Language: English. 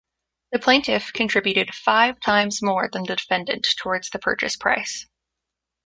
The plaintiff contributed five times more than the defendant toward the purchase price.